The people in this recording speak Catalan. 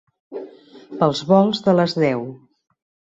Pels volts de les deu.